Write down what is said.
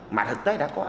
mà thực tế đã có